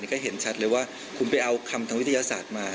ก็เห็นชัดเลยว่าคุณไปเอาคำทางวิทยาศาสตร์มา